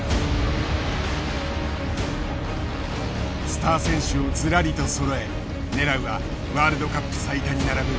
スター選手をずらりとそろえ狙うはワールドカップ最多に並ぶ